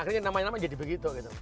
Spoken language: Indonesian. akhirnya namanya namanya jadi begitu gitu